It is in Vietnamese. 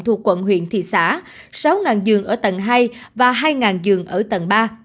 thuộc quận huyện thị xã sáu dường ở tầng hai và hai dường ở tầng ba